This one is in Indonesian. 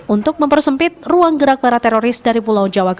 untuk mempersempit ruang gerak para teroris dari pulau jawa